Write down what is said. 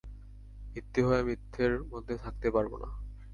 মিথ্যে হয়ে মিথ্যের মধ্যে থাকতে পারব না।